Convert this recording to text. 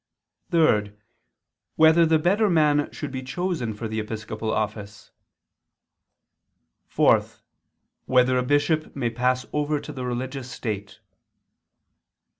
(3) Whether the better man should be chosen for the episcopal office? (4) Whether a bishop may pass over to the religious state?